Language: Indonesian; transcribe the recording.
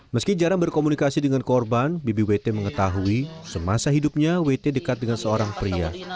meski jarang berkomunikasi dengan korban bibi wt mengetahui semasa hidupnya wt dekat dengan seorang pria